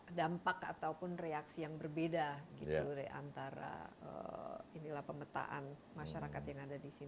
ada dampak ataupun reaksi yang berbeda gitu antara pemetaan masyarakat yang ada di sini